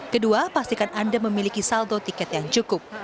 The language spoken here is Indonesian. kedua pastikan anda memiliki saldo tiket yang cukup